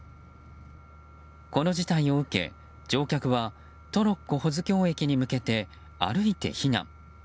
この事態を受け、乗客はトロッコ保津峡駅に向けて歩いて避難。